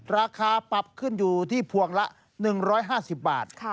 ราคาปรับขึ้นอยู่ที่พวงละหนึ่งร้อยห้าสิบบาทค่ะ